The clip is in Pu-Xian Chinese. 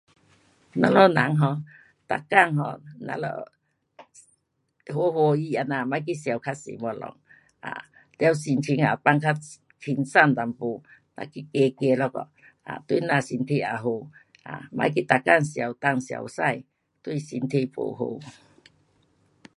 咱们人 um 每天 um 咱们欢欢喜这样，甭去想较多东西，啊，了心情也放较轻松一点，哒去走走一下，啊，对咱人身体也好。啊，甭去每天想东想西，对身体不好。